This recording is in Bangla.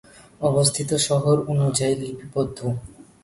অবস্থিত শহর অনুযায়ী লিপিবদ্ধ